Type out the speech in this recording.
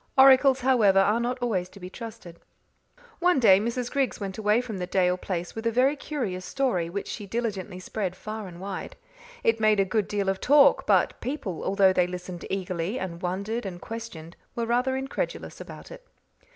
Oracles, however, are not always to be trusted. One day Mrs. Griggs went away from the Dale place with a very curious story, which she diligently spread far and wide. It made a good deal of talk, but people, although they listened eagerly, and wondered and questioned, were rather incredulous about it.